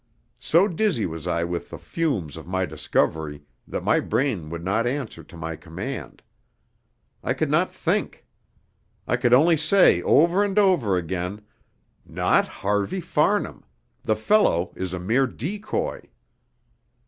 So dizzy was I with the fumes of my discovery that my brain would not answer to my command. I could not think. I could only say over and over again "Not Harvey Farnham! The fellow is a mere decoy!"